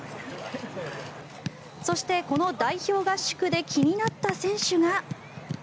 そして、この代表合宿で気になった選手が。